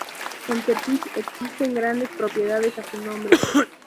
En Tepic existen grandes propiedades a su nombre.